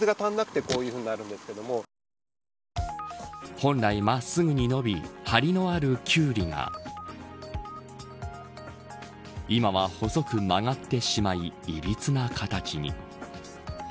本来、真っすぐに伸び張りのあるキュウリが今は細く曲がってしまいいびつな形に。